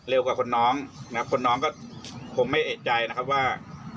กว่าคนน้องนะคนน้องก็คงไม่เอกใจนะครับว่า